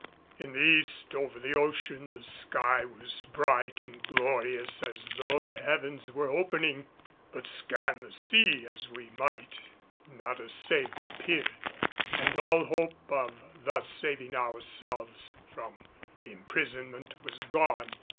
In the east over the ocean the sky was bright and glorious as though the heavens were opening. But scan the sea as we might, not a sail appeared and all hope of thus saving ourselves from imprisonment was gone.